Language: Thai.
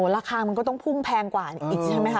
ราคามันก็ต้องพุ่งแพงกว่าอีกใช่ไหมค